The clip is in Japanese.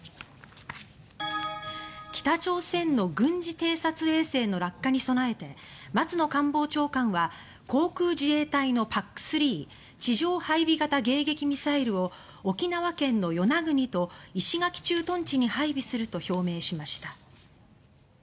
北朝鮮の軍事偵察衛星の落下に備えて松野官房長官は航空自衛隊のＰＡＣ３・地上配備型迎撃ミサイルを沖縄県の与那国と石垣駐屯地に配備すると表明しました。